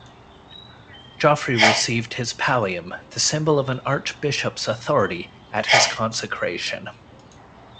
Geoffrey received his pallium, the symbol of an archbishop's authority, at his consecration.